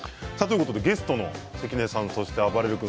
ゲストの関根さんとあばれる君